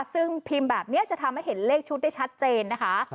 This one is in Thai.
ซึ่งพิมพ์แบบนี้จะทำให้เห็นเลขชุดได้ชัดเจนนะคะ